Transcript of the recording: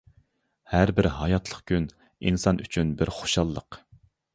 ھەر بىر ھاياتلىق كۈن، ئىنسان ئۈچۈن بىر خۇشاللىق!